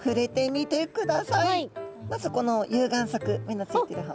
まずこの有眼側目のついてる方。